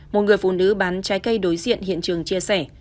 một người phụ nữ bán trái cây đối diện hiện trường chia sẻ